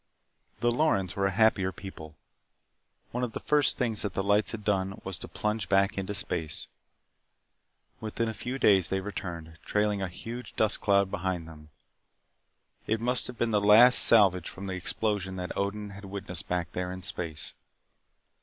The Lorens were a happier people. One of the first things that the lights had done was to plunge back into space. Within a few days they returned, trailing a huge dust cloud behind them. It must have been the last salvage from the explosion that Odin had witnessed back there in space.